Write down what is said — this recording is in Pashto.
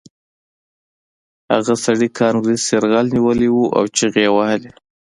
هغه سړي کانګرس یرغمل نیولی و او چیغې یې وهلې